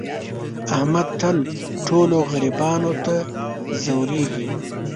احمد تل ټولو غریبانو ته ځورېږي.